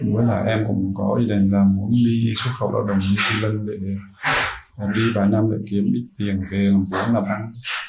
với là em cũng có ý định là muốn đi xuất khẩu lao động new zealand để đi vài năm để kiếm ít tiền về phóng lập ăn